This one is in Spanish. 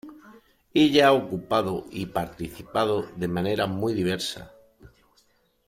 Ella ha ocupado y participado de manera muy diversa.